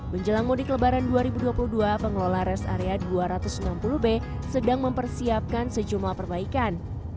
menjelang mudik lebaran dua ribu dua puluh dua pengelola res area dua ratus enam puluh b sedang mempersiapkan sejumlah perbaikan